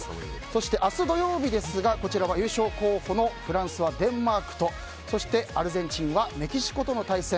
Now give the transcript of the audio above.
そして、明日土曜日ですが優勝候補のフランスはデンマークとそしてアルゼンチンはメキシコとの対戦。